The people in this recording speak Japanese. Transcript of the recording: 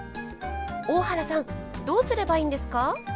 大原さんどうすればいいんですか？